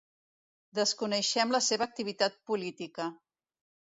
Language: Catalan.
Desconeixem la seva activitat política.